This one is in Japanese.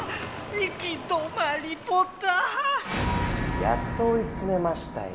行き止まりポタ！やっとおいつめましたよ。